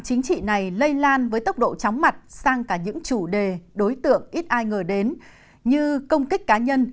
chính trị này lây lan với tốc độ chóng mặt sang cả những chủ đề đối tượng ít ai ngờ đến như công kích cá nhân